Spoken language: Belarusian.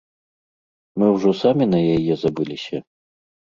Мо ўжо самі на яе забыліся?